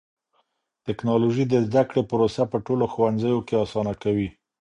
ټکنالوژي د زده کړې پروسه په ټولو ښوونځيو کې آسانه کوي.